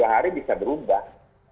satu dua hari bisa berubah